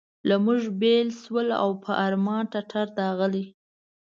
له موږ بېل شول په ارمان ټټر داغلي.